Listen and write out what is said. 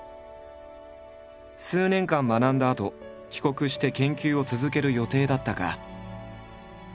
数年間学んだあと帰国して研究を続ける予定だったが。